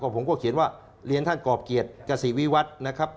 ผมก็เขียนว่าเรียนท่านกรอบเกียรติกษีวิวัตรนะครับ